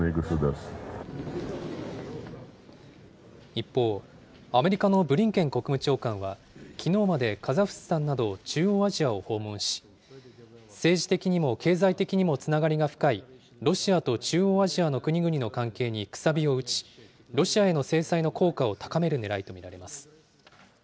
一方、アメリカのブリンケン国務長官は、きのうまでカザフスタンなど中央アジアを訪問し、政治的にも経済的にもつながりが深い、ロシアと中央アジアの国々の関係にくさびを打ち、ロシアへの制裁の効果を高めるねらいと見られます。